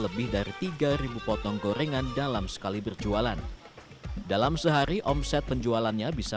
lebih dari tiga ribu potong gorengan dalam sekali berjualan dalam sehari omset penjualannya bisa